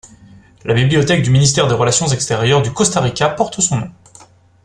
La bibliothèque du Ministère des Relations Extérieures du Costa Rica porte son nom.